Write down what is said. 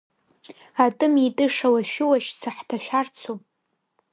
Атымитыша лашәы-лашьца ҳҭашәарцу?